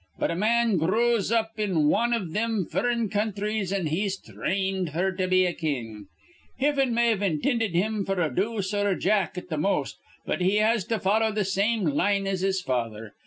But a man gr rows up in wan iv thim furrin counthries, an' he's thrained f'r to be a king. Hivin may've intinded him f'r a dooce or a jack, at th' most; but he has to follow th' same line as his father.